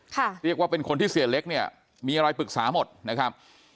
เรียกว่าเป็นคนที่เสียเล็กเนี่ยมีอะไรปรึกษาหมดนะครับ